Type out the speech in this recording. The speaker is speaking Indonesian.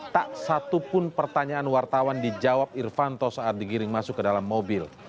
tak satupun pertanyaan wartawan dijawab irfanto saat digiring masuk ke dalam mobil